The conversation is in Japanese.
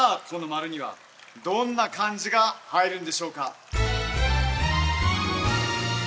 この丸にはどんな漢字が入るんでしょうか？